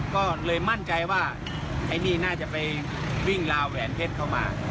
ก็เลยมั่นใจว่าไอ้นี่น่าจะไปวิ่งลาวแหวนเพชรเข้ามา